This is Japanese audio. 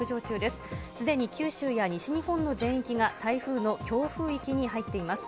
すでに九州や西日本の全域が台風の強風域に入っています。